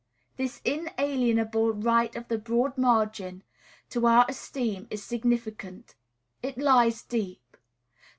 This inalienable right of the broad margin to our esteem is significant. It lies deep.